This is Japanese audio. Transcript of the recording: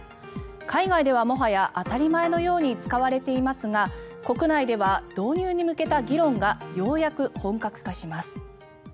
海外ではもはや当たり前のように使われていますが国内では導入に向けた議論がようやく本格化します。